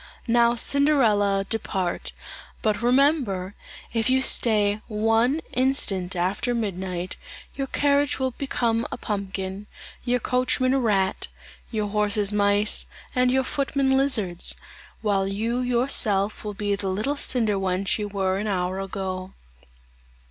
"Now Cinderella, depart; but remember, if you stay one instant after midnight, your carriage will become a pumpkin, your coachman a rat, your horses mice, and your footmen lizards; while you yourself will be the little cinder wench you were an hour ago."